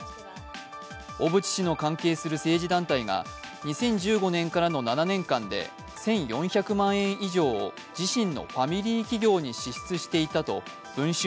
小渕氏の関係する政治団体が２０１５年からの７年間で１４００万円以上を自身のファミリー企業に支出していたと文春